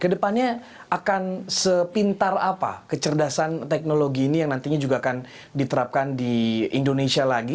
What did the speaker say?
kedepannya akan sepintar apa kecerdasan teknologi ini yang nantinya juga akan diterapkan di indonesia lagi